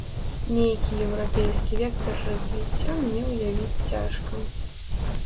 Нейкі еўрапейскі вектар развіцця мне ўявіць цяжка.